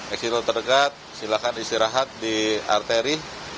exit tol terdekat silakan istirahat di arteri